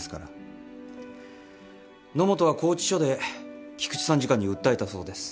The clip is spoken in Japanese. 野本は拘置所で菊池参事官に訴えたそうです。